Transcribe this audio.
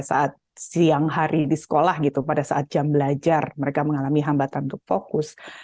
saat siang hari di sekolah gitu pada saat jam belajar mereka mengalami hambatan untuk fokus